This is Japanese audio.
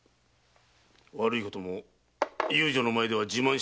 悪いことも遊女の前では自慢したがるか。